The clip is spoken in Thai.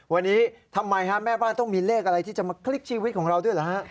วันนี้ทำไมฮะแม่บ้านต้องมีเลขอะไรที่จะมาคลิกชีวิตของเราด้วยเหรอฮะ